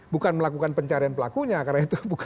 bukan melakukan pencarian pelakunya karena itu